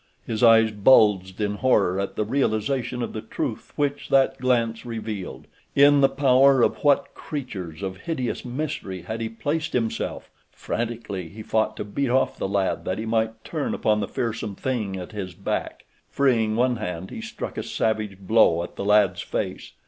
His eyes bulged in horror at the realization of the truth which that glance revealed. In the power of what creatures of hideous mystery had he placed himself! Frantically he fought to beat off the lad that he might turn upon the fearsome thing at his back. Freeing one hand he struck a savage blow at the lad's face.